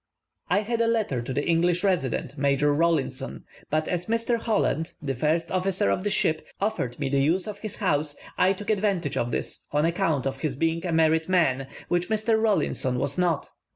I had a letter to the English resident, Major Rawlinson; but as Mr. Holland, the first officer of the ship, offered me the use of his house, I took advantage of this, on account of his being a married man, which Mr. Rawlinson was not.